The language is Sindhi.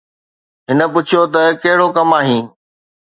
هن پڇيو ته ڪهڙو ڪم آهين؟